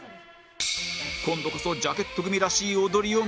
今度こそジャケット組らしい踊りを見せられるか？